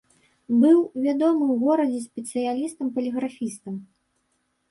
Быў вядомым у горадзе спецыялістам-паліграфістам.